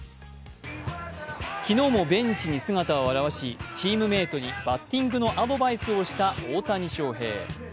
昨日もベンチに姿を現しチームメートにバッティングのアドバイスをした大谷翔平。